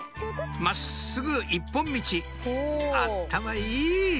真っすぐ一本道あったまいい！